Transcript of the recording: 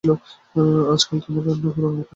আজকাল তোমার রান্না যে আর মুখে দেবার জো নাই।